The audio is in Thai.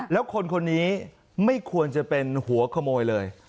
แล้วคนคนนี้ไม่ควรจะเป็นหัวขโมยเลย